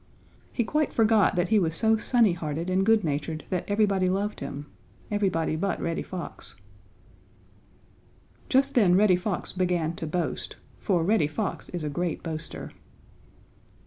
He quite forgot that he was so sunny hearted and good natured that everybody loved him, everybody but Reddy Fox. Just then Reddy Fox began to boast, for Reddy Fox is a great boaster.